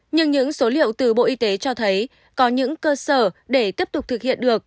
nhưng những số liệu từ bộ y tế cho thấy có những cơ sở để tiếp tục thực hiện được